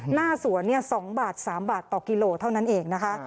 หน้าสวน๒บาท๓บาทต่อกิโลเท่านั้นเองนะคะ